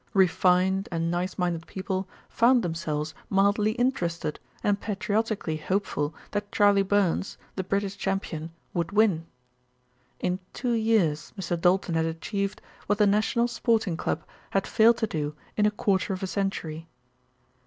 Refined and nice minded people found themselves mildly interested and patriotically hopeful that Charley Burns, the British champion, would win. In two years Mr. Doulton had achieved what the National Sporting Club had failed to do in a quarter of a century.